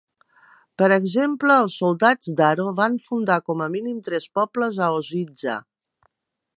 Per exemple, els soldats d'ARO va fundar com a mínim tres pobles a Ozizza.